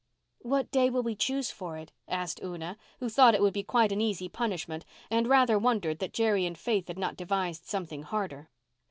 "What day will we choose for it?" asked Una, who thought it would be quite an easy punishment and rather wondered that Jerry and Faith had not devised something harder.